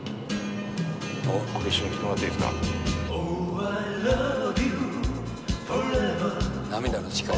これ一緒に聴いてもらっていいで涙の誓い。